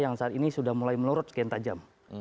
yang saat ini sudah mulai melurut sekian tajam